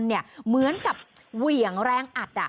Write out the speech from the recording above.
เหมือนกับเหวี่ยงแรงอัด